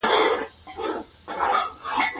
لکه شبنم د گلو غېږ ته بې رویباره درځم